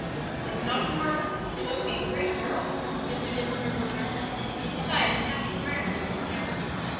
"If not in harbor, they must be in great peril?" Mr. Dinsmore remarked, aside, and half inquiringly, to the captain.